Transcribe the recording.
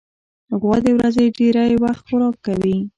غوا د ورځې ډېری وخت خوراک کوي.